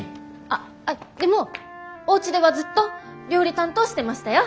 あっでもおうちではずっと料理担当してましたよ。